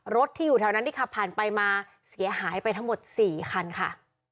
รถที่อยู่แถวนั้นที่ขับผ่านไปมาเสียหายไปทั้งหมด๔คันค่ะ